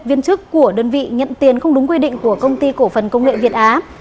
viên chức của đơn vị nhận tiền không đúng quy định của công ty cổ phần công nghệ việt á